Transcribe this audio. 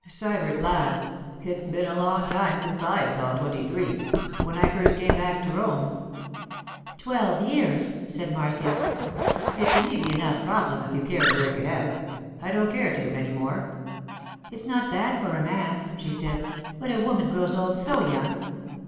Sybert laughed. 'It's been a long time since I saw twenty three—when I first came back to Rome.' 'Twelve years,' said Marcia. 'It's an easy enough problem if you care to work it out. I don't care to, any more.' 'It's not bad for a man,' she said; 'but a woman grows old so young!